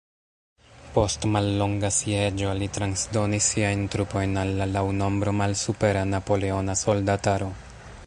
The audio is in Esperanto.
Post mallonga sieĝo, li transdonis siajn trupojn al la laŭ nombro malsupera napoleona soldataro.